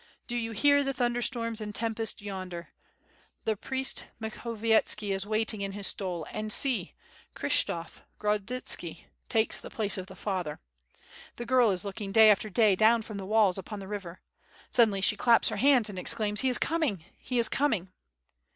"Do you hear the thunder storms and tempest yonder." ... The priest Mukho vietski is waiting in his stole, and see, Kryshtof Grodzitski takes the place of the father. ... The girl is looking day after day down from the walls upon the river. Sud denly she claps her hands and exclaims "He is coming! he is coming!''